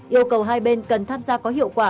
yêu cầu hai bên cần tham gia có hiệu quả